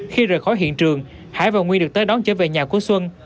khi rời khỏi hiện trường hải và nguy được tới đón trở về nhà của xuân